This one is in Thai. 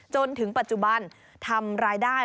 จนถึงปัจจุบันทำรายได้